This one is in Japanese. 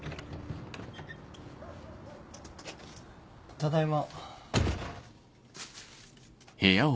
ただいま。